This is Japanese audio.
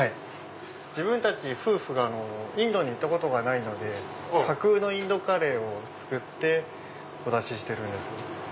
自分たち夫婦がインドに行ったことがないので架空のインドカレーを作ってお出ししてるんです。